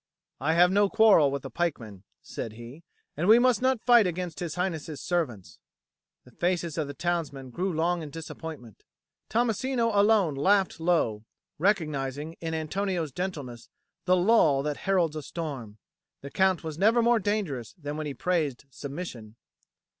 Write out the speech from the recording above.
"I have no quarrel with the pikeman," said he, "and we must not fight against His Highness's servants." The faces of the townsmen grew long in disappointment. Tommasino alone laughed low, recognising in Antonio's gentleness the lull that heralds a storm. The Count was never more dangerous than when he praised submission.